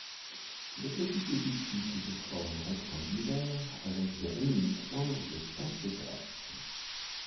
Le petit édifice est de forme rectangulaire avec des réminiscences de temple grec.